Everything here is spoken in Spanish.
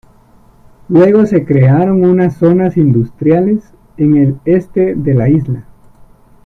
Luego se crearon unas zonas industriales en el este de la isla.